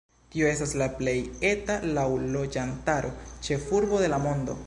Tio estas la plej eta laŭ loĝantaro ĉefurbo de la mondo.